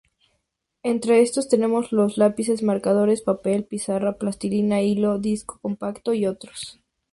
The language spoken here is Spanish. Entre estos tenemos los lápices, marcadores, papel, pizarra, plastilina, hilo, disco compacto y otros.